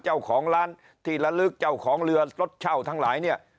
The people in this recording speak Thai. เจ้าของร้านที่ละลึกเจ้าของเรือรถเช่าทั้งหลายเนี่ย